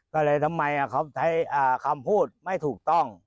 ก็เลยทำไมคำพูดไม่ถูกต้อง